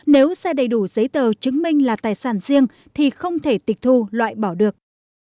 nếu xe đầy đủ giấy tờ chứng minh là tài sản riêng thì không thể tịch thu loại bỏ được